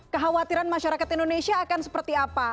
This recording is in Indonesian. kekhawatiran masyarakat indonesia akan seperti apa